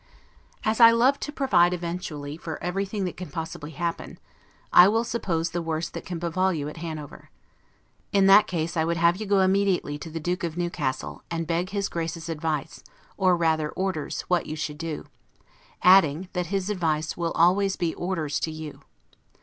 As I love to provide eventually for everything that can possibly happen, I will suppose the worst that can befall you at Hanover. In that case I would have you go immediately to the Duke of Newcastle, and beg his Grace's advice, or rather orders, what you should do; adding, that his advice will always be orders to you.